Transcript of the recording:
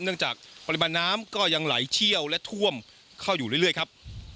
จากปริมาณน้ำก็ยังไหลเชี่ยวและท่วมเข้าอยู่เรื่อยครับ